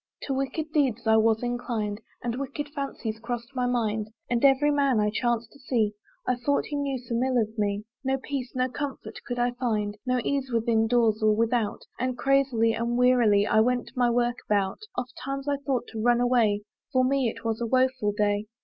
To wicked deeds I was inclined, And wicked fancies cross'd my mind, And every man I chanc'd to see, I thought he knew some ill of me No peace, no comfort could I find, No ease, within doors or without, And crazily, and wearily, I went my work about. Oft times I thought to run away; For me it was a woeful day.